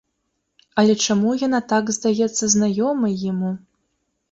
Але чаму яна так здаецца знаёмай яму?